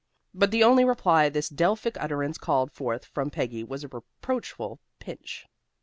But the only reply this Delphic utterance called forth from Peggy was a reproachful pinch.